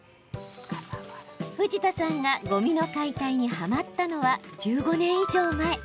藤田さんが、ごみの解体にはまったのは１５年以上前。